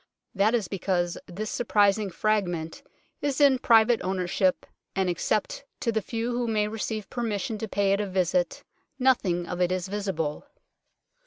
That is because this surprising fragment is in private ownership, and except to the few who may receive permission to pay it a visit nothing of it is visible.